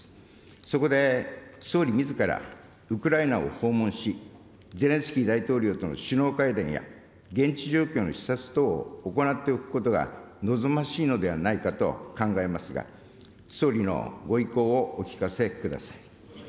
そこで総理みずから、ウクライナを訪問し、ゼレンスキー大統領との首脳会談や、現地状況の視察等を行っておくことが望ましいのではないかと考えますが、総理のご意向をお聞かせください。